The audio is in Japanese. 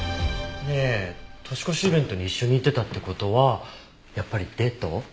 ねえ年越しイベントに一緒に行ってたって事はやっぱりデート？